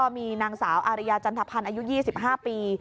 มีนางสาวอารยาจัณฑพรรณอายุ๒๕ปี